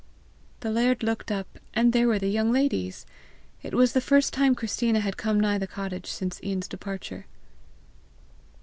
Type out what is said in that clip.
The laird looked up and there were the young ladies! It was the first time Christina had come nigh the cottage since Ian's departure.